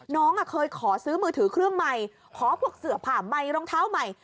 น้องเคยขอซื้อมือถือเครื่องใหม่ขอพวกเสือผ่าใหม่รองเท้าใหม่